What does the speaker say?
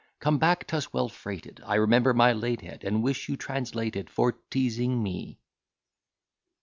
Come back t'us well freighted. I remember my late head; and wish you translated, For teasing me.